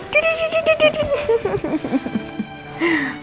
duduk duduk duduk